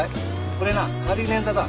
これな軽い捻挫だ。